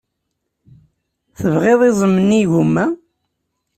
Tebɣiḍ iẓem n yigumma?